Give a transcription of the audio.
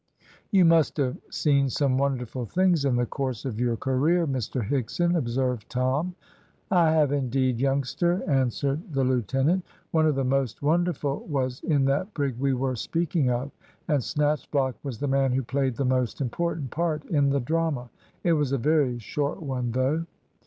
"You must have seen some wonderful things in the course of your career, Mr Higson," observed Tom. "I have indeed, youngster," answered the lieutenant. "One of the most wonderful was in that brig we were speaking of, and Snatchblock was the man who played the most important part in the drama. It was a very short one, though.